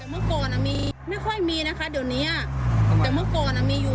ไม่ค่อยมีนะคะเดี๋ยวนี้